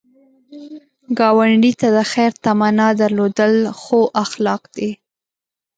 ګاونډي ته د خیر تمنا درلودل ښو اخلاق دي